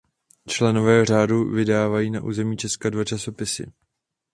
Členové řádu vydávají na území Česka dva časopisy.